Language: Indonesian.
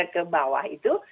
ke bawah itu